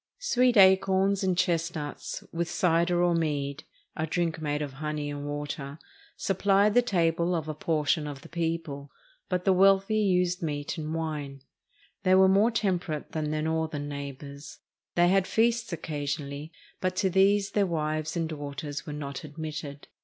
Sweet acorns and chestnuts, with cider or mead (a drink made of honey and water) , supplied the table of a 421 SPAIN portion of the people, but the wealthy used meat and wine. They were more temperate than their northern neighbors. They had feasts occasionally, but to these their wives and daughters were not admitted.